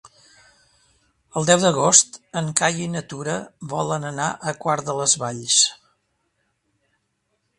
El deu d'agost en Cai i na Tura volen anar a Quart de les Valls.